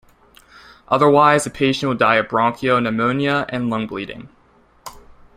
Otherwise the patient will die of bronchial pneumonia and lung bleeding.